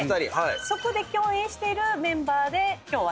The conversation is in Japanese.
そこで共演してるメンバーで今日は来ました。